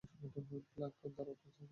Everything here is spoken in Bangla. প্লাংক দ্বারা উপস্থাপিত।